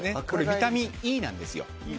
ビタミンＥなんですよ。